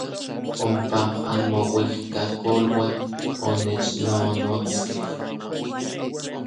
Ompa anmouejkakoluan onechnonotskej.